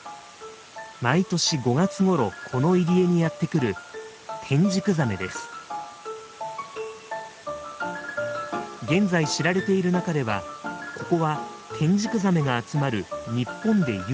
毎年５月ごろこの入り江にやって来る現在知られている中ではここはテンジクザメが集まる日本で唯一の場所。